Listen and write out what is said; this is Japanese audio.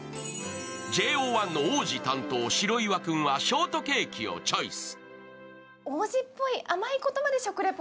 ＪＯ１の王子担当、白岩君はショートケーキをチョイス。